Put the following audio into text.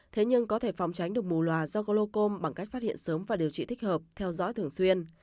thế nhưng có thể phòng tránh được mù loà do glocom bằng cách phát hiện sớm và điều trị thích hợp theo dõi thường xuyên